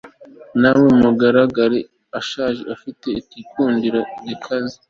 Namwe mugaragu ushaje ufite igikundiro gikaze